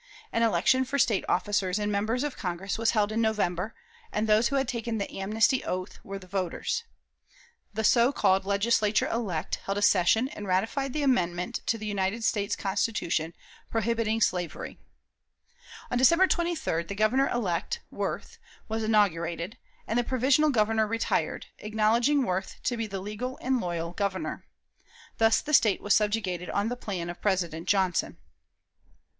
An election for State officers and members of Congress was held in November, and those who had taken the amnesty oath were the voters. The so called Legislature elect held a session and ratified the amendment to the United States Constitution prohibiting slavery. On December 23d the Governor elect (Worth) was inaugurated, and the provisional Governor retired, acknowledging Worth to be the legal and "loyal" Governor. Thus the State was subjugated on the plan of President Johnson.